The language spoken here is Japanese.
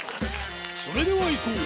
それではいこう！